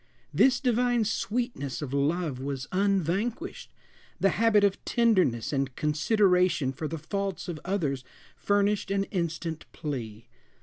This divine sweetness of love was unvanquished; the habit of tenderness and consideration for the faults of others furnished an instant plea.